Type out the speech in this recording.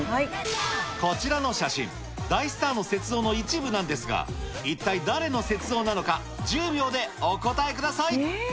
こちらの写真、大スターの雪像の一部なんですが、一体誰の雪像なのか、１０秒でお答えください。